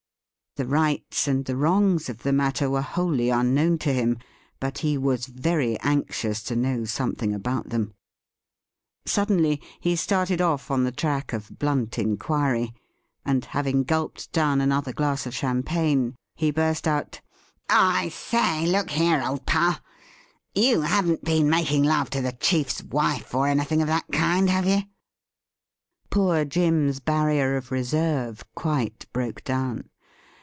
The rights and the wrongs of the matter were wholly un jirliawn to him ;. but* "he was' very anxious to know some thing about them. Suddenly he started off on the track of blunt inquiry, and, having gulped down another glass* of champagne, he burst out :' I say, look here, old pal : you haven't been making" love to the chief's wife, or anything of that kind, have^ you ?' 256 THE RIDDLE RING Poor Jim's barrier of reserve quite broke down.